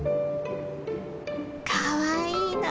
かわいいな。